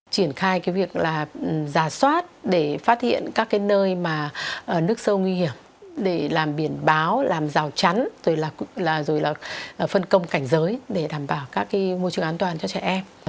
triển khai cái việc là giả soát để phát hiện các cái nơi mà nước sâu nguy hiểm để làm biển báo làm rào chắn rồi là rồi là phân công cảnh giới để đảm bảo các cái môi trường an toàn cho trẻ em